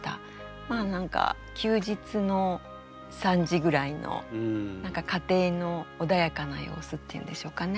まあ何か休日の３時ぐらいの何か家庭の穏やかな様子っていうんでしょうかね